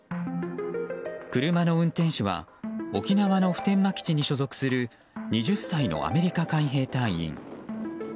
車の運転手は沖縄の普天間基地に所属する２０歳のアメリカ海兵隊員。